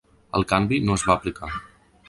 El canvi no es va aplicar.